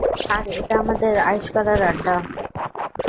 আর এটা আমাদের আয়েশ করার আড্ডা।